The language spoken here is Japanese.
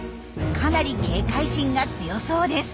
かなり警戒心が強そうです。